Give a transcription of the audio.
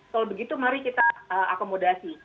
kalau begitu mari kita akomodasi